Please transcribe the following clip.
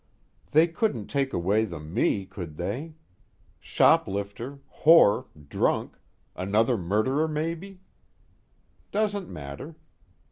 _They couldn't take away the Me, could they? Shoplifter, whore, drunk, another murderer maybe? Doesn't matter.